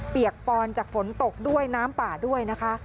เปียกปอนจากฝนตกด้วยน้ำป่าด้วยนะคะ